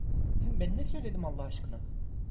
Hem ben ne söyledim Allah aşkına?